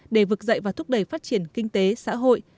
để vực dậy và thúc đẩy phát triển kinh tế xã hội